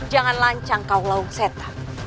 jangan lancang kau laung setan